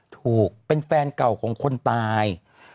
ถูกเป็นแฟนเก่าของคนตาย